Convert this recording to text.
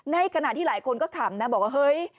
ในขณะที่หลายคนก็ขำนะบอกว่าเฮ้ย